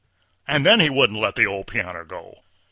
And then he wouldn't let the old pianner go.